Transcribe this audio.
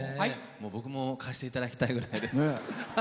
僕も貸していただきたいぐらいです。